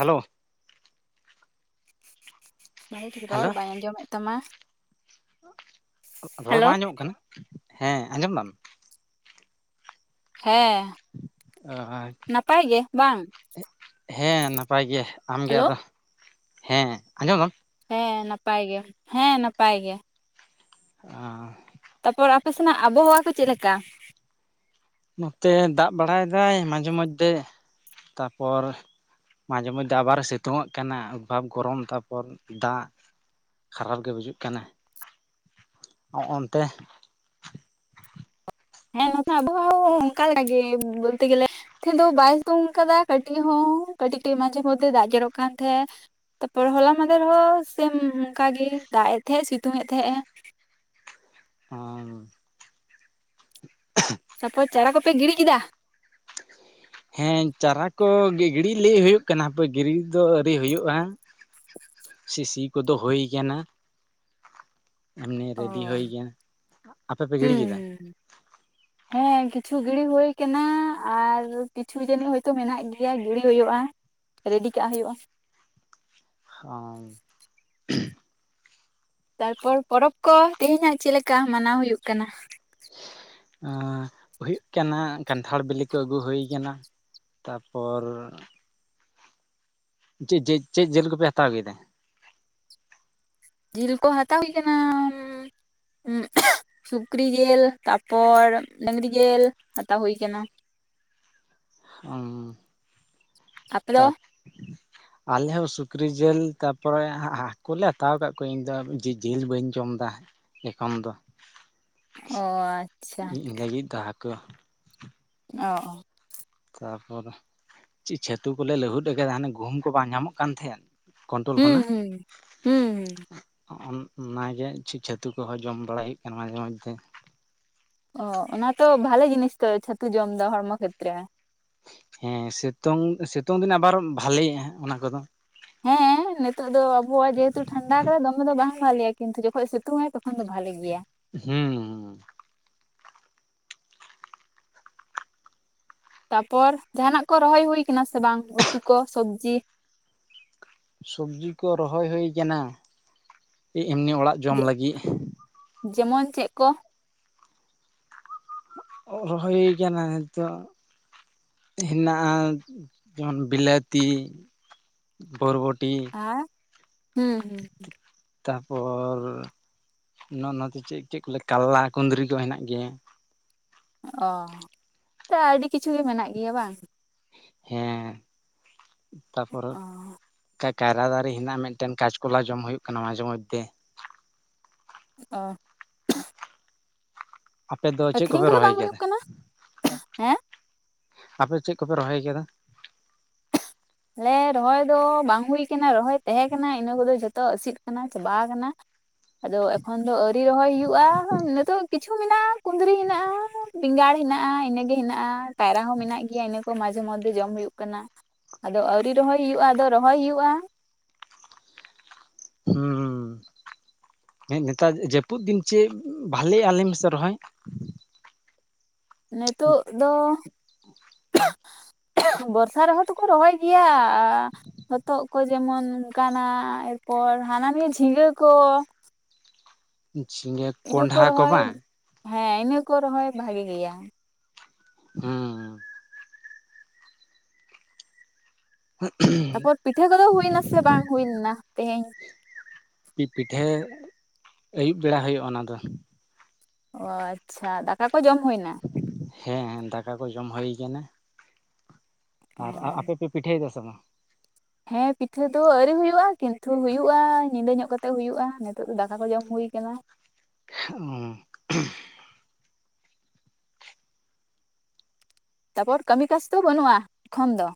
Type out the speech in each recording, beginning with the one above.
Hello ᱵᱷᱟᱹᱜᱮ ᱴᱷᱤᱠ hello ᱨᱚᱲ ᱵᱟᱧ ᱟᱸᱡᱚᱢᱮᱫ ᱛᱟᱢᱟ ᱨᱚᱲ ᱦᱮᱞᱳ ᱵᱟᱝ ᱟᱸᱡᱚᱢᱚᱜ ᱠᱟᱱᱟ ᱦᱮᱸ ᱟᱸᱡᱚᱢ ᱫᱟᱢ ᱦᱮᱸ ᱱᱟᱯᱟᱭ ᱜᱮ ᱵᱟᱝ ᱦᱮᱸ ᱱᱟᱯᱟᱭ ᱜᱮ ᱟᱢ ᱜᱮ ᱦᱮᱞᱳ ᱟᱫᱚ ᱦᱮᱸ ᱟᱸᱡᱚᱢ ᱫᱟᱢ ᱦᱮᱸ ᱱᱟᱯᱟᱭ ᱜᱮ ᱦᱮᱸ ᱱᱟᱯᱟᱭ ᱜᱮ ᱚ ᱛᱟᱨᱯᱚᱨ ᱟᱯᱮ ᱥᱮᱱᱟᱜ ᱟᱵᱚᱦᱟᱣᱟ ᱠᱚ ᱪᱮᱫ ᱞᱮᱠᱟ? ᱱᱚᱛᱮ ᱫᱟᱜ ᱵᱟᱲᱟᱭᱮᱫᱟᱭ ᱢᱟᱡᱷᱮ ᱢᱚᱫᱽᱫᱷᱮ ᱛᱟᱨᱯᱚᱨ ᱢᱟᱡᱷᱮ ᱢᱚᱫᱽᱫᱷᱮ ᱟᱵᱟᱨ ᱥᱤᱛᱩᱝ ᱚᱜ ᱠᱟᱱᱟ ᱚᱫᱽᱵᱷᱟᱵᱽ ᱜᱚᱨᱚᱢ ᱛᱟᱨᱯᱚᱨ ᱫᱟᱜ ᱠᱷᱟᱨᱟᱯ ᱜᱮ ᱵᱩᱡᱩᱜ ᱠᱟᱱᱟ᱾ ᱦᱚᱸᱜᱼ ᱚᱱᱛᱮ [unintelligible] ᱵᱚᱞᱛᱮ ᱜᱮᱞᱮ ᱛᱮᱦᱮᱧ ᱫᱚ ᱵᱟᱭ ᱥᱤᱛᱩᱝ ᱠᱟᱫᱟ ᱠᱟᱹᱴᱤᱡ ᱦᱚᱸ ᱠᱟᱹᱴᱤᱡ ᱠᱟᱹᱴᱤᱡ ᱢᱟᱡᱷᱮ ᱢᱚᱫᱽᱫᱷᱮ ᱫᱟᱜ ᱡᱮᱨᱚᱜ ᱠᱟᱱ ᱛᱟᱦᱮᱸ ᱛᱟᱯᱚᱨ ᱦᱚᱞᱟ ᱢᱟᱫᱮᱨᱦᱚᱸ ᱥᱮᱢ ᱚᱱᱠᱟᱜ ᱜᱮ ᱫᱟᱜ ᱮᱫ ᱛᱟᱦᱮᱸᱜ ᱥᱤᱛᱩᱝ ᱮ ᱛᱟᱦᱮᱸᱜᱼᱟ ᱦᱮᱸ ᱛᱟᱨ ᱯᱚᱨ ᱪᱟᱨᱟ ᱠᱚᱯᱮ ᱜᱤᱲᱤ ᱠᱮᱫᱟ? ᱦᱮᱸ ᱪᱟᱨᱟ ᱠᱚ ᱜᱤᱲᱤ ᱞᱟᱹᱭ ᱦᱩᱭᱩᱜ ᱠᱟᱱᱟᱯᱮ ᱜᱤᱲᱤ ᱫᱚ ᱟᱹᱣᱨᱤ ᱦᱩᱭᱩᱜᱼᱟ᱾ ᱥᱤ-ᱥᱤ ᱠᱚᱫᱚ ᱦᱩᱭ ᱠᱟᱱᱟ᱾ ᱮᱢᱱᱤ ᱚ ᱨᱮᱰᱤ ᱦᱩᱭ ᱠᱟᱱᱟ ᱟᱯᱮ ᱯᱮ ᱜᱤᱲᱤ ᱠᱮᱫᱟ ᱦᱮᱸ ᱦᱮᱸ ᱠᱤᱪᱷᱩ ᱜᱤᱲᱤ ᱦᱳᱭ ᱠᱟᱱᱟ ᱟᱨ ᱠᱤᱪᱷᱩ ᱡᱟᱹᱱᱤᱡ ᱦᱳᱭᱛᱳ ᱢᱮᱱᱟᱜ ᱜᱮᱭᱟ ᱜᱤᱲᱤ ᱦᱩᱭᱩᱜᱼᱟ᱾ ᱨᱮᱰᱤ ᱠᱟᱜ ᱦᱩᱭᱩᱜᱼᱟ᱾ ᱚ [inaudible] ᱛᱟᱨᱯᱚᱨ ᱯᱚᱨᱚᱵᱽ ᱠᱚ ᱛᱮᱦᱮᱧᱟᱜ ᱪᱮᱫ ᱞᱮᱠᱟ ᱢᱟᱱᱟᱣ ᱦᱩᱭᱩᱜ ᱠᱟᱱᱟ? ᱮ ᱦᱩᱭᱩᱜ ᱠᱟᱱᱟ ᱠᱟᱱᱴᱷᱟᱲ ᱵᱤᱞᱤ ᱠᱚ ᱟᱹᱜᱩ ᱦᱩᱭ ᱠᱟᱱᱟ᱾ ᱛᱟᱨᱯᱚᱨ ᱪᱮᱫ ᱪᱮᱫ ᱡᱤᱞ ᱠᱚᱯᱮ ᱦᱟᱛᱟᱣ ᱠᱮᱫᱟ? ᱡᱤᱞ ᱠᱚ ᱦᱟᱛᱟᱣ ᱦᱩᱭ ᱠᱟᱱᱟ ᱩᱸ ᱥᱩᱠᱨᱤ ᱡᱤᱞ ᱛᱟᱨᱯᱚᱨ ᱰᱟᱝᱨᱤ ᱡᱤᱞ ᱦᱟᱛᱟᱣ ᱦᱩᱭ ᱠᱟᱱᱟ? [inaudible] ᱚ ᱟᱯᱮ ᱫᱚ ᱛᱟᱨ ᱟᱞᱮ ᱦᱚᱸ ᱥᱩᱠᱨᱤ ᱡᱤᱞ ᱛᱟᱯᱚᱨᱮ ᱦᱟᱹᱠᱩᱞᱮ ᱦᱟᱛᱟᱣ ᱟᱠᱟᱫ ᱠᱚᱣᱟ ᱤᱧ ᱫᱚ ᱡᱤᱞ ᱵᱟᱹᱧ ᱡᱚᱢᱟ ᱵᱟ ᱮᱠᱷᱚᱱ ᱫᱚ ᱚ ᱟᱪᱪᱷᱟ ᱠᱩ ᱚ ᱛᱟᱯᱚᱨ ᱪᱮᱫ ᱪᱷᱟᱹᱛᱩ ᱠᱚᱞᱮ ᱞᱟᱹᱦᱩᱫ ᱟᱠᱟᱫᱟ ᱦᱟᱱᱮ ᱜᱩᱦᱩᱢ ᱠᱚ ᱵᱟᱝ ᱧᱟᱢᱚᱜ ᱠᱟᱱ ᱛᱟᱦᱮᱸᱫ ᱠᱚᱱᱴᱳᱞ ᱦᱩᱸ ᱠᱷᱚᱱᱟᱜ ᱦᱩᱸ ᱦᱩᱸ ᱦᱩᱸ ᱚᱱᱟᱜᱮ ᱪᱷᱟᱛᱩ ᱠᱚᱦᱚᱸ ᱡᱚᱢ ᱵᱟᱲᱟᱭ ᱦᱩᱭᱩᱜ ᱠᱟᱱᱟ ᱢᱟᱡᱷᱮ ᱢᱚᱫᱽᱫᱷᱮ ᱚ ᱚᱱᱟ ᱛᱚ ᱵᱷᱟᱞᱮ ᱡᱤᱱᱤᱥ ᱛᱚ ᱪᱷᱟᱹᱛᱩ ᱡᱚᱢ ᱮᱫᱟ ᱦᱚᱲᱢᱚ ᱠᱷᱮᱛᱨᱮ ᱦᱮᱸ ᱥᱤᱛᱩᱝ ᱥᱤᱛᱩᱝ ᱫᱤᱱ ᱟᱵᱟᱨ ᱵᱷᱟᱞᱮᱮᱜᱼᱟ ᱚᱱᱟ ᱠᱚᱫᱚ ᱦᱮᱸ ᱮᱸ ᱱᱤᱛᱚᱜ ᱫᱚ ᱟᱵᱚᱣᱟᱜ ᱡᱮᱦᱮᱛᱩ ᱴᱷᱟᱱᱰᱟ ᱠᱟ ᱫᱚᱢᱮ ᱫᱚ ᱵᱟᱝ ᱵᱷᱷᱟᱞᱮᱜᱭᱟ ᱠᱤᱱᱛᱩ ᱡᱚᱠᱷᱚᱱ ᱥᱤᱛᱩᱝ ᱟᱭ ᱛᱚᱠᱷᱚᱱ ᱫᱚ ᱵᱷᱟᱞᱮ ᱜᱮᱭᱟ᱾ ᱦᱮᱸ ᱦᱮᱸ ᱛᱟᱨᱯᱚᱨ ᱡᱟᱦᱟᱱᱟᱜ ᱠᱚ ᱨᱚᱦᱚᱭ ᱦᱩᱭ ᱠᱟᱱᱟ ᱥᱮ ᱵᱟᱝ ᱩᱛᱩ ᱠᱚ ᱥᱚᱵᱡᱤ ᱥᱚᱵᱡᱤ ᱠᱚ ᱨᱚᱦᱚᱭ ᱦᱩᱭ ᱠᱟᱱᱟ᱾ ᱮᱢᱱᱤ ᱚᱲᱟᱜ ᱡᱚᱢ ᱞᱟᱹᱜᱤᱫ ᱡᱮᱢᱚᱱ ᱪᱮᱫ ᱠᱚ? ᱨᱚᱦᱚᱭ ᱠᱟᱱᱟ ᱱᱤᱛᱚᱜ ᱦᱮᱱᱟᱜᱼᱟ ᱡᱮᱢᱚᱱ ᱵᱤᱞᱟᱹᱛᱤ ᱵᱚᱨᱵᱚᱴᱤ ᱦᱮᱸ ᱦᱮᱸ ᱦᱮᱸ ᱦᱸ ᱛᱟᱨᱯᱚᱨ ᱱᱚᱜᱼ ᱱᱚᱛ ᱪᱮᱫ ᱪᱮᱫ ᱠᱚᱮ ᱠᱟᱞᱞᱟ ᱠᱩᱸᱫᱽᱨᱤ ᱠᱚ ᱦᱮᱱᱟᱜ ᱜᱮᱭᱟ᱾ ᱚ ᱟᱹᱰᱤ ᱠᱤᱪᱷᱩ ᱜᱮ ᱢᱮᱱᱟᱜ ᱜᱮᱭᱟ ᱵᱟᱝ ᱦᱮᱸ ᱛᱟᱯᱚᱨ ᱚ ᱠᱟᱭᱨᱟ ᱫᱟᱨᱮ ᱦᱮᱱᱟᱜᱼᱟ ᱢᱤᱫᱴᱮᱱ ᱠᱟᱪᱠᱚᱞᱟ ᱡᱚᱢ ᱦᱩᱭᱩᱜ ᱠᱟᱱᱟ ᱢᱟᱡᱷᱮ ᱢᱚᱫᱽᱫᱷᱮ ᱚ ᱟᱯᱮ ᱫᱚ ᱪᱮᱫ ᱟᱹᱠᱷᱨᱤᱧ ᱠᱚᱯᱮ ᱠᱚᱫᱚ ᱨᱚᱦᱚᱭ ᱵᱟᱝ ᱠᱟᱫᱟ ᱦᱩᱭᱩᱜ ᱠᱟᱱᱟ ᱦᱮᱸ ᱟᱯᱮ ᱪᱮᱫ ᱠᱚᱯᱮ ᱨᱚᱦᱚᱭ ᱜᱮᱭᱟ ᱫᱟ ᱟᱞᱮ ᱨᱚᱦᱚᱭ ᱫᱚ ᱵᱟᱝ ᱦᱩᱭ ᱠᱟᱱᱟ ᱨᱚᱦᱚᱭ ᱛᱟᱦᱮᱸ ᱠᱟᱱᱟ ᱤᱱᱟᱹ ᱠᱚᱫᱚ ᱡᱚᱛᱚ ᱟᱹᱥᱤᱜ ᱠᱟᱱᱟ ᱪᱟᱵᱟ ᱠᱟᱱᱟ ᱟᱫᱚ ᱮᱠᱷᱚᱱ ᱫᱚ ᱟᱹᱣᱨᱤ ᱨᱚᱦᱚᱭ ᱦᱩᱭᱩᱜᱼᱟ ᱱᱤᱛᱳᱜ ᱠᱤᱪᱷᱩ ᱢᱮᱱᱟᱜᱼᱟ ᱠᱩᱸᱫᱽᱨᱤ ᱦᱮᱱᱟᱜᱼᱟ ᱵᱮᱸᱜᱟᱲ ᱦᱮᱱᱟᱜᱼᱟ ᱤᱱᱟᱹᱜ ᱜᱮ ᱦᱮᱱᱟᱜᱼᱟ ᱠᱟᱭᱨᱟ ᱦᱚᱸ ᱢᱮᱱᱟᱜ ᱜᱮᱭᱟ ᱤᱱᱟᱹ ᱠᱚ ᱢᱟᱡᱷᱮ ᱢᱚᱫᱽᱫᱷᱮ ᱡᱚᱢ ᱦᱩᱭᱩᱜ ᱠᱟᱱᱟ ᱟᱫᱚ ᱟᱹᱣᱨᱤ ᱨᱚᱦᱚᱭ ᱦᱩᱭᱩᱜᱼᱟ ᱟᱫᱚ ᱨᱚᱦᱚᱭ ᱦᱩᱭᱩᱜᱼᱟ ᱦᱩᱸ ᱦᱩᱸ ᱱᱮᱛᱟᱨ ᱡᱟᱹᱯᱩᱫ ᱫᱤᱱ ᱪᱮᱫ ᱵᱷᱟᱞᱮᱜ-ᱟ ᱞᱟᱹᱭ ᱢᱮᱥᱮ ᱨᱚᱦᱚᱭ ᱱᱤᱛᱳ ᱫᱚ ᱵᱚᱨᱥᱟ ᱨᱮᱦᱚᱸ ᱛᱚᱠᱚ ᱨᱚᱦᱚᱭ ᱜᱮᱭᱟ ᱦᱚᱛᱚᱫ ᱠᱚ ᱡᱮᱢᱚᱱ ᱚᱱᱠᱟ ᱮᱨᱯᱚᱨ ᱦᱟᱱᱟ ᱱᱤᱭᱟᱹ ᱡᱷᱤᱸᱜᱟᱹ ᱠᱚ ᱡᱷᱤᱸᱜᱟᱹ ᱤᱱᱟᱹ ᱠᱚᱸᱰᱷᱟ ᱠᱚ ᱨᱚᱦᱚᱭ ᱵᱟᱝ ᱦᱮᱸ ᱤᱱᱟᱹ ᱠᱚ ᱨᱚᱦᱚᱭ ᱵᱷᱟᱜᱤ ᱜᱮᱭᱟ ᱦᱮᱸ ᱛᱟᱯᱚᱨ ᱯᱤᱴᱷᱟᱹ ᱠᱚᱫᱚ ᱦᱩᱭᱱᱟᱥ ᱵᱟᱝ ᱦᱩᱭᱱᱟ ᱛᱮᱦᱮᱧ ᱯᱤᱴᱷᱟᱹ ᱟᱹᱭᱩᱵ ᱵᱮᱲᱟ ᱦᱩᱭᱩᱜᱼᱟ ᱚᱱᱟ ᱫᱚ ᱚ ᱟᱪᱪᱷᱟ ᱫᱟᱠᱟ ᱠᱚ ᱡᱚᱢ ᱦᱩᱭᱱᱟ ᱦᱮᱸ ᱫᱟᱠᱟ ᱠᱚ ᱡᱚᱢ ᱦᱩ ᱠᱟᱱᱟ ᱚ ᱟᱨ ᱟᱯᱮ ᱯᱮ ᱯᱤᱴᱷᱟᱹᱭᱮᱫᱟ ᱥᱮ ᱵᱟᱝ ᱦᱮᱸ ᱯᱤᱴᱷᱟᱹ ᱫᱚ ᱟᱹᱣᱨᱤ ᱦᱩᱭᱩᱜᱼᱟ ᱠᱤᱱᱛᱩ ᱦᱩᱭᱩᱜᱼᱟ ᱧᱤᱫᱟᱹ ᱧᱚᱜ ᱠᱟᱛᱮᱜ ᱦᱩᱭᱩᱜᱼᱟ ᱱᱤᱛᱳ ᱫᱚ ᱫᱟᱠᱟ ᱠᱚ ᱡᱚᱢ ᱦᱩᱭᱩᱜᱼᱟ ᱦᱩᱭ ᱠᱟᱱᱟ ᱚ ᱛᱟᱨᱯᱚᱨ ᱠᱟᱹᱢᱤ ᱠᱟᱥ ᱫᱚ ᱵᱟᱹᱱᱩᱜᱼᱟ ᱮᱠᱷᱚᱱ ᱫᱚ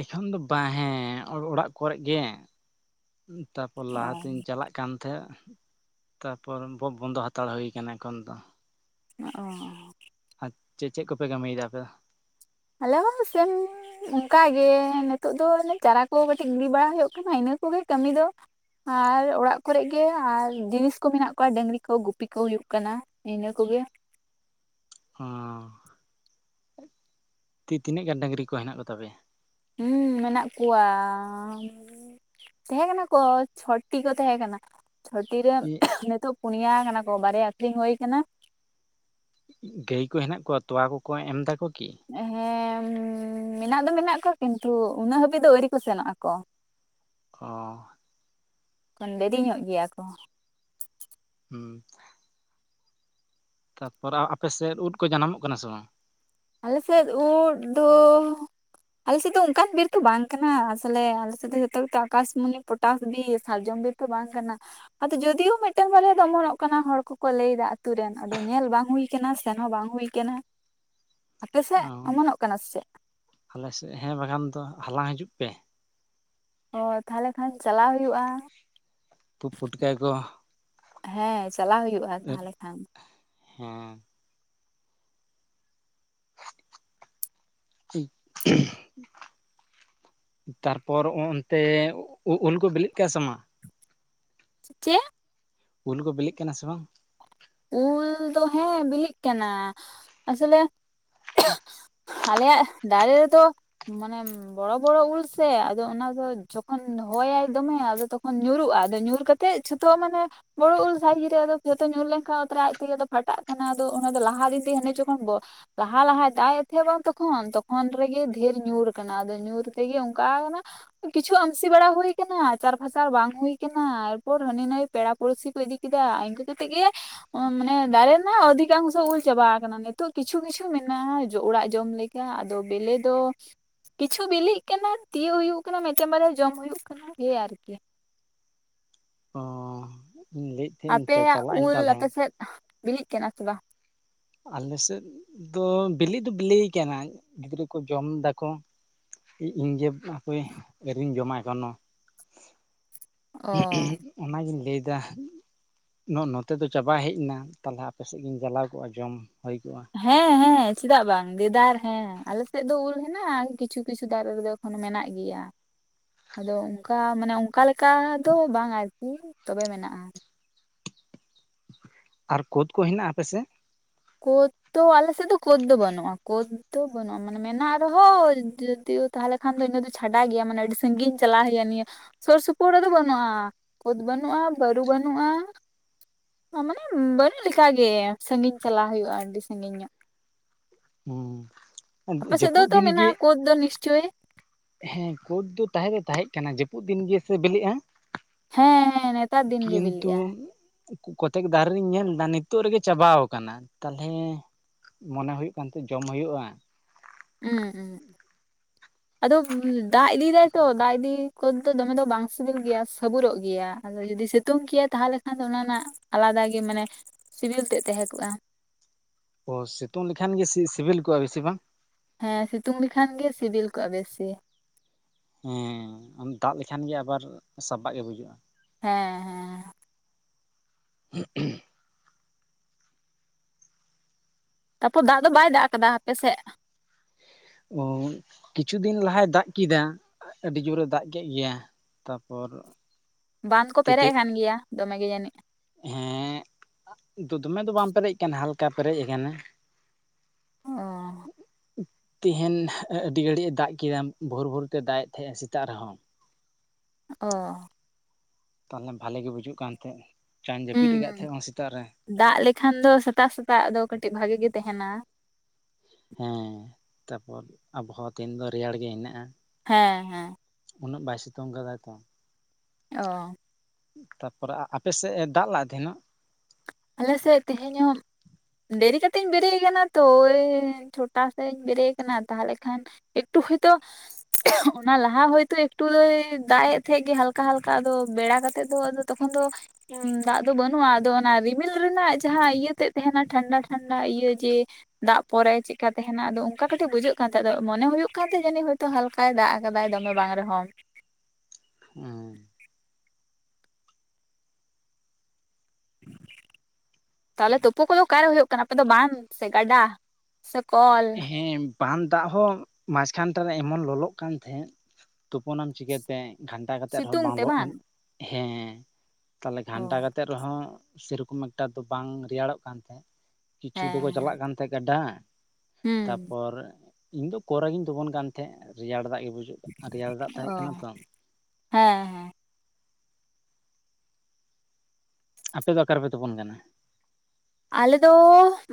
ᱮᱠᱷᱚᱱ ᱫᱚ ᱵᱟᱝ ᱦᱮᱸ ᱚᱲᱟᱜ ᱠᱚᱨᱮ ᱜᱮ ᱛᱟᱯᱚᱨ ᱚ ᱞᱟᱦᱟᱛᱤᱧ ᱪᱟᱞᱟᱜ ᱠᱟᱱᱟ ᱛᱮ ᱛᱟᱨᱯᱚᱨ ᱵᱳ ᱵᱚᱱᱫᱚ ᱦᱟᱛᱟᱲ ᱦᱩᱭ ᱠᱟᱱᱟ ᱮᱠᱷᱚᱱ ᱫᱚ ᱚ ᱟᱨ ᱪᱮᱫ ᱪᱮᱫ ᱠᱚᱯᱮ ᱠᱟᱹᱢᱤᱭᱮᱫᱟ ᱟᱯᱮ ᱫᱚ ᱟᱞᱮ ᱦᱚᱸ ᱥᱮᱢ ᱚᱱᱠᱟᱟᱜᱮ ᱱᱤᱛᱳᱜ ᱫᱚ ᱪᱟᱨᱟ ᱠᱚ ᱠᱟᱹᱴᱤᱡ ᱜᱤᱰᱤ ᱵᱟᱲᱟ ᱦᱩᱭᱩᱜ ᱠᱟᱱᱟ ᱤᱱᱟᱹ ᱚᱱᱟ ᱠᱚᱜᱮ ᱠᱟᱹᱢᱤ ᱫᱚ ᱟᱨ ᱚᱲᱟᱜ ᱠᱚᱨᱮᱜᱤ ᱟᱨ ᱡᱤᱱᱤᱥᱠᱩ ᱢᱮᱱᱟᱜ ᱠᱚᱣᱟ ᱰᱟᱹᱝᱨᱤ ᱠᱚ ᱜᱩᱯᱤ ᱠᱚ ᱦᱩᱭᱩᱜ ᱠᱟᱱᱟ ᱤᱱᱟᱹ ᱠᱚᱜᱮ [unintelligible] ᱚ ᱛᱤ ᱛᱤᱱᱟᱹᱜ ᱜᱟᱱ ᱰᱟᱹᱟᱝᱨᱤ ᱠᱚ ᱦᱮᱱᱟᱜ ᱠᱚᱛᱟᱯᱮᱭᱟ ᱦᱮᱸ ᱢᱮᱱᱟᱜ ᱠᱚᱣᱟ ᱛᱟᱦᱮᱸ ᱠᱟᱱᱟ ᱠᱚ ᱪᱷᱚᱴᱴᱤ ᱠᱚ ᱛᱟᱦᱮᱸ ᱠᱟᱱᱟ ᱪᱷᱚᱴᱤ ᱨᱮ ᱱᱤᱛᱚᱜ ᱯᱩᱱᱭᱟ ᱠᱟᱱᱟ ᱠᱚ ᱵᱟᱨᱭᱟ ᱟᱠᱷᱨᱤᱧ ᱦᱩᱭ ᱠᱟᱱᱟ ᱜᱟᱹᱭ ᱠᱚ ᱦᱮᱱᱟᱜ ᱠᱚᱣᱟ ᱛᱚᱣᱟ ᱠᱚᱠᱚ ᱮᱢ ᱫᱫᱟᱠᱚ ᱦᱮᱸ ᱢᱮᱱᱟᱜ ᱫᱚ ᱢᱮᱱᱟᱜ ᱠᱚᱣᱟ ᱠᱤᱱᱛᱩ ᱩᱱᱟᱹᱜ ᱦᱟᱹᱵᱤᱡ ᱫᱚ ᱟᱹᱣᱨᱤ ᱠᱚ ᱥᱮᱱᱚᱜ ᱟᱠᱚ ᱚ ᱠᱷᱚᱱ ᱫᱮᱨᱤ ᱧᱚᱜ ᱜᱮᱭᱟ ᱠᱚ ᱦᱩᱸ ᱛᱟᱨᱯᱚᱨ ᱟᱯᱮ ᱥᱮᱫ ᱩᱫ ᱠᱚ ᱡᱟᱱᱟᱢᱚᱜ ᱠᱟᱱᱟ ᱥᱮ ᱵᱟᱝ ᱟᱞᱮ ᱥᱮᱫ ᱩᱫ ᱫᱚ ᱟᱞᱮᱮᱥᱮᱫ ᱫᱚ ᱚᱱᱠᱟᱱ ᱵᱤᱨ ᱫᱚ ᱵᱟᱝ ᱠᱟᱱᱟ ᱟᱥᱚᱞᱮ ᱟᱞᱮᱮᱥᱮᱫ ᱫᱚ ᱡᱚᱛᱚ ᱟᱠᱟᱥᱢᱚᱱᱤ ᱯᱚᱴᱟᱥ ᱵᱤᱨ ᱥᱟᱨᱡᱚᱢ ᱵᱟᱝ ᱠᱟᱱᱟ ᱟᱫᱚ ᱡᱫᱤᱭᱳ ᱢᱤᱫᱴᱮᱱ ᱵᱟᱨᱭᱟ ᱫᱚ ᱚᱢᱚᱱᱚᱜ ᱠᱟᱱᱟ ᱦᱚᱲ ᱠᱚᱠᱚ ᱞᱟᱹᱭᱫᱟ ᱟᱛᱳ ᱨᱮᱱ ᱟᱫᱚ ᱧᱮᱞ ᱵᱟᱝ ᱵᱟᱝ ᱦᱩᱭ ᱟᱠᱟᱱᱟ ᱥᱮᱱ ᱦᱚᱸ ᱵᱟᱝ ᱦᱩᱭ ᱠᱟᱱᱟ ᱟᱯᱮᱥᱮᱫ ᱚ ᱚᱢᱚᱱᱚᱜ ᱠᱟᱱᱟ ᱥᱮ ᱪᱮᱫ ᱟᱞᱮ ᱥᱮᱫ ᱦᱮᱸ ᱵᱟᱠᱷᱟᱱ ᱫᱚ ᱦᱟᱞᱟᱝ ᱦᱤᱡᱩᱜ ᱯᱮ ᱚ ᱛᱟᱦᱞᱮ ᱠᱷᱟᱱ ᱪᱟᱞᱟᱣ ᱦᱩᱭᱩᱜ-ᱟ ᱯᱩᱛ ᱯᱩᱴᱠᱟᱭ ᱠᱚ ᱦᱮᱸ ᱪᱟᱞᱟᱣ ᱦᱩᱭᱩᱜ-ᱟ ᱛᱟᱦᱟᱞᱮ ᱠᱷᱟᱱ ᱦᱮᱸ ᱪᱤᱜ ᱛᱟᱨᱯᱚᱨ ᱚᱱᱛᱮ ᱩᱞ ᱠᱚ ᱵᱤᱞᱤᱜ ᱠᱟᱱᱟ ᱥᱮ ᱵᱟᱝ ᱪᱮᱜ ᱩᱞ ᱠᱚ ᱵᱤᱞᱤᱜ ᱠᱟᱱᱟ ᱥᱮ ᱵᱟᱝ ᱩᱞ ᱫᱚ ᱦᱮᱸ ᱵᱤᱞᱤᱜ ᱠᱟᱱᱟ ᱟᱥᱚᱞᱮ ᱟᱞᱮᱭᱟᱜ ᱫᱟᱨᱮ ᱨᱮᱫᱚ ᱢᱟᱱᱮ ᱵᱚᱲᱚ ᱵᱚᱲᱚ ᱩᱞ ᱥᱮ ᱟᱫᱚ ᱚᱱᱟ ᱟᱫᱚ ᱡᱚᱠᱷᱚᱱ ᱦᱚᱭᱟᱭ ᱫᱚᱢᱮ ᱟᱫᱚ ᱛᱚᱠᱷᱚᱱ ᱧᱩᱨᱩᱜ-ᱟ ᱟᱫᱚ ᱧᱩᱨ ᱠᱟᱛᱮ ᱡᱷᱚᱛᱚ ᱢᱟᱱᱮ ᱵᱚᱲᱚ ᱩᱞ ᱥᱮ ᱠᱩᱧᱨᱮ ᱟᱫᱚ ᱡᱚᱛᱚ ᱧᱩᱨ ᱞᱮᱱ ᱚᱛ ᱨᱮ ᱟᱡ ᱛᱮᱜᱮ ᱛᱚ ᱯᱷᱟᱴᱟᱜ ᱠᱟᱱᱟ ᱟᱫᱚ ᱚᱱᱟ ᱫᱚ ᱞᱟᱦᱟ ᱨᱮᱜᱤ ᱦᱟᱱᱮ ᱡᱚᱠᱷᱚᱱ ᱞᱟᱦᱟ ᱞᱟᱦᱟᱭ ᱫᱟᱜ ᱮᱫ ᱵᱟᱝ ᱛᱚᱠᱷᱚᱱ ᱛᱚᱠᱷᱚᱱ ᱨᱮᱜᱮ ᱰᱷᱮᱨ ᱧᱩᱨ ᱟᱠᱟᱱᱟ ᱟᱫᱚ ᱧᱩᱨ ᱛᱮᱜᱮ ᱚᱱᱠᱟ ᱠᱟᱱᱟ ᱠᱤᱪᱷᱩ ᱟᱢᱥᱤ ᱵᱟᱲᱟ ᱦᱩᱭ ᱠᱟᱱᱟ ᱟᱪᱟᱨ ᱯᱷᱟᱪᱟᱨ ᱵᱟᱝ ᱦᱩᱭ ᱠᱟᱱᱟ ᱮᱨᱯᱚᱨ ᱦᱟᱹᱱᱤ ᱱᱟᱹᱭ ᱯᱮᱲᱟ ᱯᱚᱲᱥᱤ ᱠᱚ ᱤᱫᱤ ᱠᱮᱫᱟ ᱤᱱᱠᱟᱹ ᱠᱟᱛᱮᱫ ᱜᱮ ᱢᱟᱱᱮ ᱫᱟᱨᱮ ᱨᱮᱱᱟᱜ ᱚᱫᱷᱤᱠᱟᱝᱥᱚ ᱩᱞ ᱪᱟᱵᱟ ᱠᱟᱱᱟ ᱱᱤᱛᱳᱜ ᱠᱤᱪᱷᱩ ᱠᱤᱪᱷᱩ ᱢᱮᱱᱟᱜ-ᱟ ᱚᱲᱟᱜ ᱡᱚᱢ ᱞᱮᱠᱟ ᱟᱫᱚ ᱵᱮᱞᱮ ᱫᱚ ᱠᱤᱪᱷᱩ ᱵᱤᱞᱤᱜ ᱠᱟᱱᱟ ᱛᱤᱭᱳᱜ ᱦᱩᱭᱩᱜ ᱠᱟᱱᱟ ᱢᱤᱫᱴᱮᱱ ᱵᱟᱨᱭᱟ ᱡᱚᱢ ᱦᱩᱭᱩᱜ ᱠᱟᱱᱟ ᱮᱭ ᱟᱨᱠᱤ ᱚ ᱤᱧ ᱞᱟᱹᱭᱮᱫ ᱛᱟᱦᱮᱸᱫ ᱤᱧ ᱟᱯᱮᱭᱟᱜ ᱪᱟᱞᱟᱜ ᱟᱹᱧ ᱩᱞ ᱛᱟᱦᱚᱞᱮ ᱟᱯᱮ ᱥᱮᱫ ᱵᱤᱞᱤᱜ ᱠᱟᱱᱟ ᱥᱮ ᱵᱟᱝ ᱟᱞᱮ ᱥᱮᱫ ᱫᱚ ᱵᱤᱞᱤᱜ ᱫᱚ ᱵᱤᱞᱤᱭ ᱠᱟᱱᱟ ᱜᱤᱫᱽᱨᱟᱹ ᱠᱚ ᱡᱚᱢ ᱫᱟᱠᱚ ᱤᱧ ᱡᱮ ᱦᱟᱯᱮ ᱟᱹᱣᱨᱤᱧ ᱡᱚᱢᱟ ᱮᱠᱷᱳᱱᱳ ᱚ ᱚᱱᱟᱜᱤᱧ ᱞᱟᱹᱭᱫᱟ ᱱᱚ ᱱᱚᱛᱮ ᱫᱚ ᱪᱟᱵᱟ ᱦᱮᱡ ᱮᱱᱟ ᱛᱟᱦᱚᱞᱮ ᱟᱯ ᱥᱮᱫ ᱜᱤᱧ ᱪᱟᱞᱟᱣ ᱠᱚᱜ-ᱟ ᱡᱚᱢ ᱦᱩᱭ ᱠᱚᱜᱼᱟ ᱦᱮᱸ ᱦᱮᱸ ᱪᱮᱫᱟᱜ ᱵᱟᱝ ᱫᱮᱫᱟᱨ ᱦᱮᱸ ᱟᱞᱮ ᱥᱮᱫ ᱫᱚ ᱩᱞ ᱦᱮᱱᱟᱜ-ᱟ ᱠᱤᱪᱷᱩ ᱠᱤᱪᱷᱩ ᱫᱟᱨᱮ ᱨᱮᱫᱚ ᱮᱠᱷᱚᱱᱚ ᱢᱮᱱᱟᱜ ᱜᱮᱭᱟ ᱟᱫᱚ ᱚᱱᱠᱟ ᱢᱟᱱᱮ ᱚᱱᱠᱟ ᱞᱮᱠᱟ ᱫᱚ ᱵᱟᱝ ᱟᱨᱠᱤ ᱛᱚᱵᱮ ᱢᱮᱱᱟᱜ-ᱟ ᱟᱨ ᱠᱳᱫ ᱠᱚ ᱦᱮᱱᱟᱜ-ᱟ ᱟᱯᱮ ᱥᱮᱫ ᱠᱳᱫ ᱫᱚ ᱟᱞᱮ ᱥᱮᱫ ᱫᱚ ᱠᱳᱫ ᱫᱚ ᱵᱟᱹᱱᱩᱜ-ᱟ ᱠᱳᱫ ᱫᱚ ᱵᱟᱹᱱᱩᱜ-ᱟ ᱢᱟᱱᱮ ᱢᱮᱱᱟᱜ ᱨᱮᱦᱚᱸ ᱡᱚᱫᱤ ᱛᱟᱦᱚᱞᱮ ᱠᱷᱟᱱ ᱫᱚ ᱤᱱᱟ ᱫᱚ ᱪᱷᱟᱰᱟ ᱜᱮᱭᱟ ᱢᱟᱱᱮ ᱟᱹᱰᱤ ᱥᱟᱺᱜᱤᱧ ᱪᱟᱞᱟᱣ ᱦᱩᱭᱩᱜ-ᱟ ᱱᱤᱭᱟᱹ ᱥᱳᱨ ᱥᱩᱯᱩᱨ ᱨᱮᱫᱚ ᱵᱟᱹᱱᱩᱜ-ᱟ ᱠᱳᱫ ᱵᱟᱹᱱᱩᱜ-ᱟ ᱵᱟᱹᱨᱩ ᱵᱟᱹᱱᱩᱜ-ᱟ ᱢᱟᱱᱮ ᱵᱟᱹᱱᱩᱜ ᱞᱮᱠᱟᱜᱮ ᱥᱟᱺᱜᱤᱧ ᱪᱟᱞᱟᱜ ᱦᱩᱭᱩᱜ-ᱟ ᱟᱹᱰᱤ ᱥᱟᱺᱜᱤᱧ ᱧᱚᱜ ᱦᱮᱸ ᱟᱯᱮ ᱥᱮᱫ ᱫᱚ ᱡᱟᱹᱯᱩᱫ ᱛᱚ ᱫᱤᱱ ᱜᱮ ᱢᱮᱱᱟᱜ-ᱟ ᱠᱳᱫ ᱫᱚ ᱱᱤᱥᱪᱳᱭ ᱦᱮᱸ ᱠᱳᱫ ᱫᱚ ᱛᱟᱦᱮᱸ ᱫᱚ ᱛᱟᱦᱮᱸᱜ ᱠᱟᱱᱟ ᱡᱟᱹᱯᱩᱫ ᱫᱤᱱ ᱜᱮᱥᱮ ᱵᱤᱞᱤᱜ-ᱟ ᱦᱮᱸ ᱦᱮᱸ ᱱᱮᱛᱟᱨ ᱫᱤᱱ ᱜᱮ ᱵᱤᱞᱤᱜ-ᱟ ᱠᱚᱛᱮᱠ ᱫᱟᱨᱮ ᱨᱮᱧ ᱧᱮᱞᱫᱟ ᱱᱤᱛᱚᱜ ᱨᱮᱜᱮ ᱪᱟᱵᱟᱣ ᱟᱠᱟᱱᱟ ᱛᱟᱦᱚᱞᱮ ᱢᱚᱱᱮ ᱦᱩᱭᱩᱜ ᱠᱟᱱ ᱛᱟᱦᱮᱫ ᱡᱚᱢ ᱦᱩᱭᱩᱜ-ᱟ ᱦᱩ ᱟᱫᱚ ᱫᱟᱜ ᱤᱫᱤᱭ ᱫᱟᱭᱛᱚ ᱫᱟᱜ ᱤᱫᱤᱭ ᱠᱳᱫ ᱫᱚ ᱫᱚᱢᱮ ᱫᱚ ᱵᱟᱝ ᱥᱤᱵᱤᱞ ᱜᱮᱭᱟ ᱥᱟᱹᱵᱩᱨᱚᱜ ᱜᱮᱭᱟ ᱟᱫᱚ ᱡᱩᱫᱤ ᱥᱤᱛᱩᱝ ᱠᱮᱭᱟ ᱛᱟᱦᱚᱞᱮ ᱠᱷᱟᱱ ᱫᱚ ᱚᱱᱟ ᱨᱮᱱᱟᱜ ᱟᱞᱟᱫᱟ ᱚᱱᱠᱟ ᱜᱮ ᱢᱟᱱᱮ ᱥᱤᱵᱤᱞ ᱛᱮᱜ ᱛᱟᱦᱮᱸ ᱠᱚᱜ-ᱟ ᱚ ᱥᱤᱛᱩᱝ ᱞᱮᱠᱷᱟᱱ ᱜᱮ ᱥᱤᱵᱤᱞ ᱠᱚᱜ-ᱟ ᱵᱮᱥᱤ ᱵᱟᱝ ᱦᱮᱸ ᱥᱤᱛᱩᱝ ᱞᱮᱠᱷᱟᱱ ᱜᱮ ᱥᱤᱵᱤᱞ ᱠᱚᱜ-ᱟ ᱵᱮᱥᱤ ᱦᱮᱸ ᱫᱟᱜ ᱞᱮᱠᱷᱟᱱ ᱜᱮ ᱟᱵᱟᱨ ᱥᱟᱵᱟᱜ ᱜᱮ ᱵᱩᱡᱩᱜ-ᱟ ᱦᱮᱸ ᱦᱮᱸ [unintelligible] ᱛᱟᱨᱯᱚᱨ ᱫᱟᱜ ᱫᱚ ᱵᱟᱭ ᱫᱟᱜ ᱠᱟᱫᱟ ᱟᱯᱮ ᱥᱮᱫ ᱚ ᱠᱤᱪᱷᱩ ᱫᱤᱱ ᱞᱟᱦᱟᱭ ᱫᱟᱜ ᱠᱮᱫᱟ ᱟᱹᱰᱤ ᱡᱳᱨᱮ ᱫᱟᱜ ᱠᱮᱫ ᱜᱮᱭᱟ ᱛᱟᱯᱚᱨ ᱵᱟᱸᱫᱷ ᱠᱚ ᱯᱮᱨᱮᱡ ᱛᱮᱛᱮᱫ ᱟᱠᱟᱱ ᱜᱮᱭᱟ ᱫᱚᱢᱮ ᱜᱮ ᱡᱟᱹᱱᱤᱡ ᱦᱮᱸ ᱫᱚᱢᱮ ᱫᱚ ᱵᱟᱝ ᱯᱮᱨᱮᱡ ᱠᱟᱱᱟ ᱦᱟᱞᱠᱟ ᱯᱮᱨᱮᱡ ᱠᱟᱱᱟ ᱦ [inaudible] ᱛᱮᱦᱮᱧ ᱟᱹᱰᱤ ᱜᱷᱟᱹᱲᱤᱡ ᱮ ᱫᱟᱜ ᱠᱮᱫᱟ ᱵᱷᱳᱨ ᱵᱷᱳᱨ ᱛᱮ ᱫᱟᱜ ᱮᱫ ᱛᱟᱸᱦᱮᱜ ᱮ ᱥᱮᱛᱟᱜ ᱨᱮᱦᱚᱸ ᱚ ᱛᱟᱦᱚᱞᱮ ᱵᱷᱟᱞᱮᱜᱮ ᱵᱩᱡᱩᱜ ᱠᱟᱱ ᱛᱟᱦᱮᱸ [inaudible] ᱫᱟᱜ ᱞᱮᱠᱷᱟᱱ ᱫᱚ ᱥᱮᱛᱟᱜ ᱥᱮᱛᱟᱜ ᱟᱫᱚ ᱠᱟᱹᱴᱤᱡ ᱵᱷᱟᱜᱮ ᱜᱮ ᱛᱟᱦᱮᱱᱟ ᱦᱮᱸ ᱛᱟᱯᱚᱨ ᱟᱵᱚᱦᱟᱣᱟ ᱛᱮᱱ ᱫᱚ ᱨᱮᱭᱟᱲ ᱜᱮ ᱦᱮᱱᱟᱜᱼᱟ ᱦᱮᱸ ᱦᱮᱸ ᱩᱱᱟᱹᱜ ᱵᱟᱭ ᱥᱤᱛᱳᱝ ᱠᱟᱫᱟᱭ ᱛᱚ ᱚ ᱛᱟᱨᱯᱚᱨᱮ ᱟᱯᱮ ᱥᱮᱫ ᱮ ᱫᱟᱜ ᱞᱟ ᱛᱮᱦᱮᱱᱚᱜ ᱟᱞᱮ ᱥᱮᱫ ᱛᱮᱦᱮᱧ ᱦᱚᱸ ᱫᱮᱨᱤ ᱠᱟᱛᱮ ᱤᱧ ᱵᱮᱨᱮᱜ ᱠᱟᱱᱟ ᱛᱚ ᱳᱭ ᱪᱷᱚᱴᱟ ᱥᱮᱫ ᱤᱧ ᱵᱮᱨᱮᱜ ᱠᱟᱱᱟ ᱛᱟᱦᱟᱞᱮ ᱠᱷᱟᱱ ᱮᱠᱴᱩ ᱦᱳᱭᱛᱳ [unintelligible] ᱚᱱᱟ ᱞᱟᱦᱟ ᱦᱚᱭᱛᱳ ᱮᱠᱴᱩᱭ ᱫᱟᱜ ᱮᱫ ᱛᱟᱦᱮᱸᱜ ᱜᱮ ᱦᱟᱞᱠᱟ ᱦᱟᱞᱠᱟ ᱟᱫᱚ ᱵᱮᱲᱟ ᱠᱟᱛᱮ ᱫᱚ ᱛᱚᱠᱷᱚᱱ ᱫᱚ ᱫᱟᱜ ᱫᱚ ᱵᱟᱹᱱᱩᱜᱼᱟ ᱟᱫᱚ ᱚᱱᱟ ᱨᱤ ᱨᱤᱢᱤᱞ ᱨᱮᱱᱟᱜ ᱡᱟᱦᱟᱸ ᱤᱭᱟᱹ ᱛᱮᱫ ᱛᱟᱦᱮᱱᱟ ᱴᱷᱟᱱᱰᱟ ᱴᱷᱟᱱᱰᱟ ᱤᱭᱟᱹ ᱡᱮ ᱫᱟᱜ ᱯᱚᱨᱮ ᱪᱮᱫᱠᱟ ᱛᱟᱦᱮᱱᱟ ᱟᱫᱚ ᱚᱱᱠᱟ ᱠᱟᱹᱴᱤᱡ ᱵᱩᱡᱷᱟᱹᱜ ᱠᱟᱱ ᱛᱟᱦᱮᱸᱜ ᱟ ᱟᱫᱚ ᱢᱚᱱᱮ ᱦᱳᱭᱳᱜ ᱠᱟᱱ ᱛᱟᱦᱮᱸ ᱦᱚᱭᱛᱳ ᱦᱟᱞᱠᱟᱭ ᱫᱟᱜ ᱟᱠᱟᱫᱟᱭ ᱫᱚᱢᱮ ᱵᱟᱝ ᱨᱮᱦᱚᱸ [inaudible] ᱦᱩᱸ ᱛᱟᱦᱚᱞᱮ ᱛᱳᱯᱳ ᱠᱚᱫᱚ ᱚᱠᱟᱨᱮ ᱦᱳᱭᱳᱜ ᱠᱟᱱᱟ ᱟᱯᱮ ᱫᱚ ᱵᱟᱝᱸᱫ ᱥᱮ ᱜᱟᱰᱟ ᱥᱮ ᱠᱚᱞ ᱦᱮᱸ ᱵᱟᱝᱸᱫ ᱫᱟᱜ ᱦᱚᱸ ᱢᱟᱡᱷ ᱠᱷᱟᱱᱴᱟ ᱨᱮ ᱮᱢᱚᱱ ᱞᱚᱞᱚᱜ ᱠᱟᱱ ᱛᱟᱦᱮᱸᱜ ᱛᱳᱯᱳᱱᱟᱢ ᱪᱤᱠᱟᱹᱛᱮ ᱜᱷᱟᱱᱴᱟ ᱠᱟᱛᱮᱜ ᱨᱮᱦᱚᱸ ᱥᱤᱛᱩᱝ ᱵᱟᱝ ᱛᱮ ᱞᱚᱜ ᱮᱢ ᱦᱮᱸ ᱛᱟᱦᱚᱞᱮ ᱚ ᱜᱷᱟᱱᱴᱟ ᱠᱟᱛᱮᱜ ᱨᱮᱦᱚᱸ ᱥᱮᱨᱚᱠᱚᱢ ᱮᱠᱴᱟ ᱫᱚ ᱵᱟᱝ ᱨᱮᱭᱟᱲᱚᱜ ᱠᱟᱱ ᱛᱟᱦᱮᱸᱜ ᱠᱤᱪᱷᱩ ᱦᱮᱸ ᱫᱚᱠᱚ ᱦᱮᱸ ᱪᱟᱞᱟᱜ ᱠᱟᱱ ᱛᱟᱦᱮᱸ ᱜᱟᱰᱟ ᱦᱩᱸ ᱛᱟᱯᱚᱨ ᱤᱧ ᱫᱚ ᱠᱚᱨ ᱨᱮᱜᱤᱧ ᱛᱳᱯᱳᱱ ᱠᱟᱱ ᱛᱟᱦᱮᱸᱫ ᱨᱮᱭᱟᱲ ᱫᱟᱜ ᱵᱩᱡ ᱨᱮᱭᱟᱲ ᱫᱟᱜ ᱚ ᱛᱟᱦᱮᱸᱜ ᱠᱟᱱᱟ ᱛᱚ ᱦᱮᱸ ᱦᱮᱸ ᱟᱯᱮ ᱫᱚ ᱟᱠᱟᱨᱮᱯᱮ ᱛᱳᱯᱳᱱ ᱠᱟᱱᱟ ᱟᱞᱮ ᱫᱚ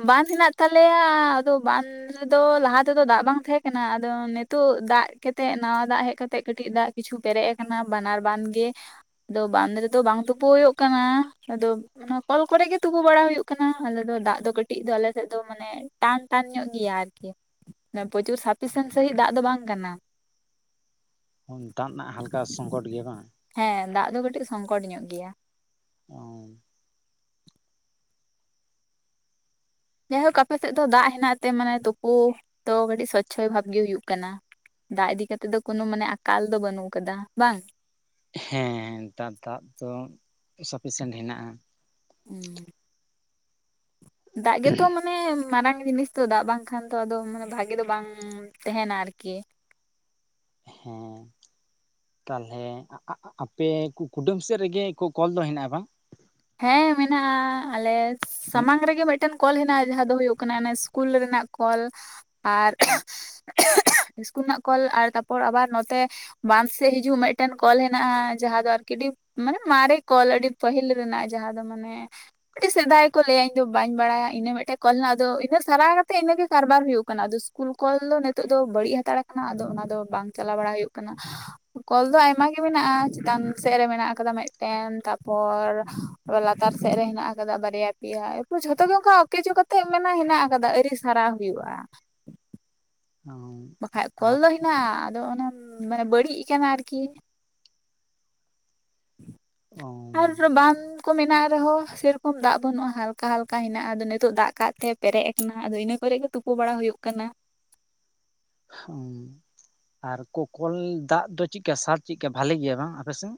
ᱵᱟᱸᱫᱷ ᱦᱮᱱᱟᱜ ᱛᱟᱞᱮᱭᱟ ᱟᱫᱚ ᱵᱟᱸᱷ ᱨᱮᱫᱚ ᱞᱟᱦᱟ ᱛᱮᱫᱚ ᱫᱟᱜ ᱵᱟᱝ ᱛᱟᱦᱮᱸ ᱠᱟᱱᱟ ᱟᱫᱚ ᱱᱤᱛᱳ ᱫᱟᱜ ᱠᱟᱛᱮᱜ ᱱᱟᱣᱟ ᱫᱟᱜ ᱦᱮᱡ ᱠᱟᱛᱮᱜ ᱠᱟᱹᱴᱤᱡ ᱫᱟᱜ ᱠᱤᱪᱷᱩ ᱯᱮᱨᱮᱡ ᱠᱟᱱᱟ ᱵᱟᱱᱟᱨ ᱵᱟᱸᱫᱷ ᱜᱮ ᱟᱫᱚ ᱵᱟᱸᱫᱷ ᱨᱮᱫᱚ ᱵᱟᱝ ᱛᱳᱯᱳ ᱦᱩᱭᱩᱜ ᱠᱟᱱᱟ ᱟᱫᱚ ᱚᱱᱟ ᱠᱚᱞ ᱠᱚᱨᱮ ᱜᱮ ᱛᱳᱯᱳ ᱵᱟᱲᱟ ᱦᱩᱭᱩᱜ ᱠᱟᱱᱟ ᱟᱞᱮ ᱫᱚ ᱫᱟᱜ ᱫᱚ ᱠᱟᱹᱴᱤᱡ ᱫᱚ ᱟᱞᱮ ᱥᱮᱫ ᱫᱚ ᱢᱟᱱᱮ ᱴᱟᱱ ᱴᱟᱱ ᱧᱚᱜ ᱜᱮᱭᱟ ᱟᱨᱠᱤ ᱯᱨᱚᱪᱩᱨ ᱥᱟᱯᱷᱤᱥᱮᱱ ᱥᱟᱺᱦᱤᱡ ᱫᱟᱜ ᱫᱚ ᱵᱟᱝ ᱠᱟᱱᱟ ᱫᱟᱜ ᱨᱮᱱᱟᱜ ᱦᱟᱞᱠᱟ ᱥᱚᱝᱠᱚᱴ ᱜᱮᱭᱟ ᱵᱟᱝ ᱦᱮᱸ ᱫᱟᱜ ᱫᱚ ᱠᱟᱹᱴᱤᱡ ᱥᱚᱝᱠᱚᱴ ᱧᱚᱜ ᱜᱮᱭᱟ ᱚ ᱡᱟᱭᱦᱳᱠ ᱟᱯᱮ ᱥᱮᱫ ᱫᱚ ᱫᱟᱜ ᱦᱮᱱᱟᱜ ᱛᱮ ᱢᱟᱱᱮ ᱛᱳᱯᱳ ᱫᱚ ᱠᱟᱹᱴᱤᱡ ᱥᱚᱪᱪᱷᱚᱞ ᱵᱷᱟᱵ ᱜᱮ ᱦᱳᱭᱳᱜ ᱠᱟᱱᱟ ᱫᱟᱜ ᱤᱫᱤ ᱠᱟᱛᱮᱜ ᱫᱚ ᱠᱳᱱᱳ ᱢᱟᱱᱮ ᱟᱠᱟᱞ ᱫᱚ ᱵᱟᱹᱱᱩᱜ ᱠᱟᱫᱟ ᱵᱟᱝ ᱦᱮᱸ ᱱᱮᱛᱟᱨ ᱫᱟᱜ ᱫᱚ ᱥᱟᱯᱷᱤᱥᱮᱱᱴ ᱦᱮᱱᱟᱜᱼᱟ ᱦᱮᱸ [inaudible] ᱫᱟᱜ ᱜᱮᱛᱚ ᱢᱟᱱᱮ ᱢᱟᱨᱟᱝ ᱡᱤᱱᱤᱥ ᱫᱚ ᱫᱟᱜ ᱵᱟᱝᱠᱷᱟᱱ ᱫᱚ ᱟᱫᱚ ᱵᱷᱟᱜᱮ ᱫᱚ ᱵᱟᱝ ᱛᱟᱦᱮᱱᱟ ᱟᱨᱠᱤ ᱦᱮᱸ ᱛᱟᱦᱚᱞᱮ ᱟ-ᱟ- ᱟᱯᱮ ᱠᱩ-ᱠᱩᱰᱟᱹᱢ ᱥᱮᱫ ᱨᱮᱜᱮ ᱠ- ᱠᱚᱞ ᱫᱚ ᱦᱮᱱᱟᱜᱼᱟ ᱵᱟᱝ ᱦᱮᱸ ᱢᱮᱱᱟᱜᱼᱟ ᱟᱞᱮ ᱥᱟᱢᱟᱝ ᱨᱮᱜᱮ ᱢᱤᱫᱴᱮᱱ ᱠᱚᱞ ᱦᱮᱱᱟᱜᱼᱟ ᱡᱟᱦᱟᱸ ᱫᱚ ᱦᱩᱭᱩᱜ ᱠᱟᱱᱟ ᱚᱱᱟ ᱤᱥᱠᱩᱞ ᱨᱮᱱᱟᱜ ᱠᱚᱞ ᱟᱨ [unintelligible] ᱤᱥᱠᱩᱞ ᱨᱮᱱᱟᱜ ᱠᱚᱞ ᱛᱟᱨᱯᱚᱨ ᱟᱵᱟᱨ ᱱᱚᱛᱮ ᱵᱟᱸᱫᱷ ᱥᱮᱫ ᱦᱤᱡᱩᱜ ᱢᱤᱫᱴᱮᱱ ᱠᱚᱞ ᱦᱮᱱᱟᱜᱼᱟ ᱡᱟᱦᱟᱸ ᱫᱚ ᱟᱨᱠᱤ [inaudible] ᱢᱟᱱᱮ ᱚᱱᱟ [inaudible] ᱠᱚᱞ ᱟᱹᱰᱤ ᱯᱟᱹᱦᱤᱞ ᱨᱮᱱᱟᱜ ᱡᱟᱦᱟᱸ ᱫᱚ ᱢᱟᱱᱮ ᱥᱮᱫᱟᱭ ᱠᱚ ᱞᱟᱹᱭᱟ ᱤᱧ ᱫᱚ ᱵᱟᱹᱧ ᱵᱟᱲᱟᱭᱟ ᱤᱱᱟᱹ ᱢᱤᱫᱴᱮᱡ ᱠᱚᱞ ᱦᱮᱱᱟᱜ-ᱟ ᱟᱫᱚ ᱤᱱᱟᱹ ᱥᱟᱨᱟ ᱠᱟᱛᱮ ᱤᱱᱟᱹ ᱜᱮ ᱠᱟᱨᱵᱟᱨ ᱦᱩᱭᱩᱜ ᱠᱟᱱᱟ ᱟᱫᱚ ᱤᱥᱠᱩᱞ ᱠᱚᱞ ᱫᱚ ᱱᱤᱛᱚᱜ ᱫᱚ ᱵᱟᱹᱲᱤᱡ ᱦᱟᱛᱟᱲ ᱠᱟᱱᱟ ᱟᱫᱚ ᱚᱱᱟ ᱫᱚ ᱵᱟᱝ ᱪᱟᱞᱟᱣ ᱵᱟᱲᱟ ᱦᱩᱭᱩᱜ ᱠᱟᱱᱟ ᱠᱚᱞ ᱫᱚ ᱟᱭᱢᱟ ᱟᱭ ᱜᱮ ᱢᱮᱱᱟᱜᱼᱟ ᱪᱮᱛᱟᱱ ᱥᱮᱫ ᱨᱮ ᱢᱮᱱᱟᱜ ᱟᱠᱟᱫᱟ ᱢᱤᱫᱴᱮᱱ ᱛᱟᱯᱚᱨ ᱞᱟᱛᱟᱨ ᱥᱮᱮᱫ ᱨᱮ ᱦᱮᱱᱟᱜ ᱠᱟᱫᱟ ᱵᱟᱨᱭᱟ ᱯᱮᱭᱟ ᱮᱯᱚᱨ ᱡᱷᱚᱛᱚ ᱜᱮ ᱚᱱᱠᱟ ᱠᱮ ᱪᱚ ᱠᱟᱛᱮ ᱢᱮ ᱦᱮᱱᱟᱜ ᱠᱟᱫᱟ ᱟᱹᱰᱤ ᱥᱟᱨᱟᱣ ᱦᱩᱭᱩᱜᱼᱟ ᱵᱟᱠᱷᱟᱡ ᱠᱚᱞ ᱟᱨ ᱫᱚ ᱦᱮᱱᱟᱜᱼᱟ ᱟᱫᱚ ᱚᱱᱟ ᱢᱟᱱᱮ ᱵᱟᱹᱲᱤᱡ ᱠᱟᱱᱟ ᱟᱨᱠᱤ ᱚ ᱟᱨ ᱵᱟᱸᱫᱷ ᱠᱚ ᱢᱮᱱᱟᱜ ᱨᱮᱦᱚᱸ ᱥᱮᱨᱚᱠᱚᱢ ᱫᱟᱜ ᱵᱟᱹᱱᱩᱜᱼᱟ ᱦᱟᱞᱠᱟ ᱦᱟᱞᱠᱟ ᱦᱮᱱᱟᱜᱼᱟ ᱟᱫᱚ ᱱᱤᱛᱚᱜ ᱫᱟᱜ ᱛᱮ ᱯᱮᱨᱮᱡ ᱟᱠᱟᱱᱟ ᱟᱫᱚ ᱤᱱᱟᱹ ᱠᱚ ᱠᱚᱨᱮ ᱜᱮ ᱛᱩᱯᱩ ᱵᱟᱲᱟ ᱦᱩᱭᱩᱜ ᱠᱟᱱᱟ ᱟᱨ ᱠᱚᱞ ᱫᱟᱜ ᱫᱚ ᱪᱮᱫᱞᱮᱠᱟ ᱥᱟᱨ ᱪᱮᱫᱞᱮᱠᱟ ᱵᱷᱟᱞᱞᱤ ᱜᱮᱭᱟ ᱵᱟᱝ ᱟᱯᱮᱥᱮᱫ